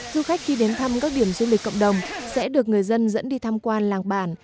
du khách khi đến thăm các điểm du lịch cộng đồng sẽ được người dân dẫn đi tham quan làng bản